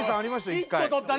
１回１個取ったね